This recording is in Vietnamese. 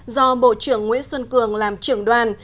do bộ trưởng nguyễn xuân cường làm trưởng đoàn